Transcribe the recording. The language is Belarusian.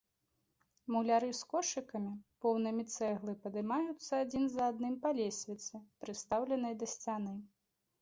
Муляры з кошыкамі, поўнымі цэглы падымаюцца адзін за адным па лесвіцы, прыстаўленай да сцяны.